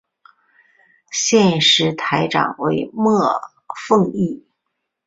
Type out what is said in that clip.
现时台长为莫凤仪。